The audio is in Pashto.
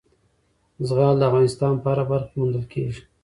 زغال د افغانستان په هره برخه کې موندل کېږي.